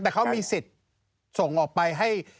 แต่เขามีสิทธิ์ส่งออกไปให้